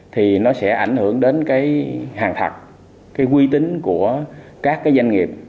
thì nó sẽ ảnh hưởng đến cái hàng thật cái quy tính của các cái doanh nghiệp